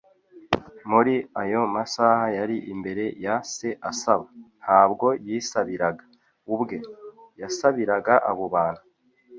Muri ayo masaha yari imbere ya Se asaba. Ntabwo yisabiraga ubwe, yasabiraga abo bantu.